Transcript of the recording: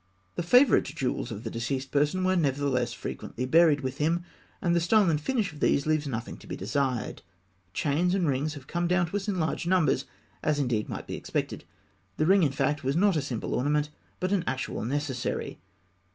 The favourite jewels of the deceased person were, nevertheless, frequently buried with him, and the style and finish of these leave nothing to be desired. Chains and rings have come down to us in large numbers, as indeed might be expected. The ring, in fact, was not a simple ornament, but an actual necessary.